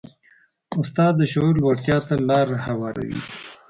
استاد د شعور لوړتیا ته لاره هواروي.